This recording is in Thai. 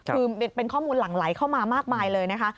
คือเป็นข้อมูลหลั่งไหลเข้ามามากมายเลยนะคะ